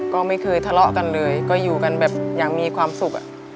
ก็ไม่เคยทะเลาะกันเลยก็อยู่กันแบบอย่างมีความสุขอะ